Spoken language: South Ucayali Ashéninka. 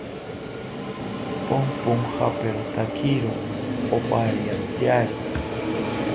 Ponpojaperotakiro opariantyari